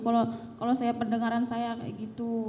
kalau saya pendengaran saya kayak gitu